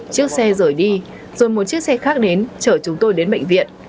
chiếc xe rời đi rồi một chiếc xe khác đến chở chúng tôi đến bệnh viện